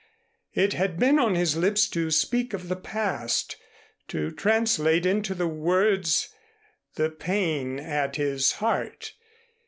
It had been on his lips to speak of the past, to translate into the words the pain at his heart.